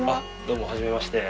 どうもはじめまして。